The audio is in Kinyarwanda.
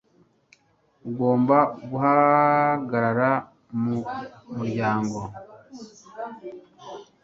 ugomba guhagarara mu muryango